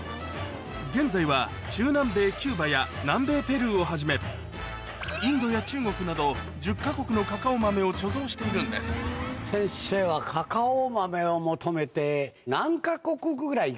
現在は中南米キューバや南米ペルーをはじめインドや中国など１０か国のカカオ豆を貯蔵しているんです先生はカカオ豆を求めて。